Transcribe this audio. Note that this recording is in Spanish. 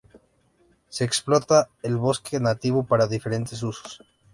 Se explota el bosque nativo para diferentes usos.